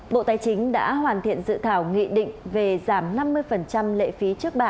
bộ tài chính đã hoàn thiện dự thảo nghị định về giảm năm mươi lệ phí trước bạ